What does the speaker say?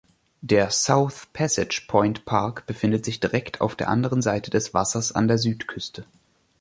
Der South Passage Point Park befindet sich direkt auf der anderen Seite des Wassers an der Südküste.